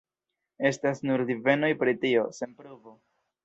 Estas nur divenoj pri tio, sen pruvo.